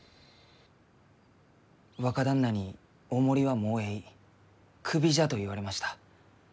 若旦那に「お守りはもうえいクビじゃ」と言われました。